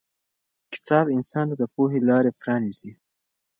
کتاب انسان ته د پوهې لارې پرانیزي.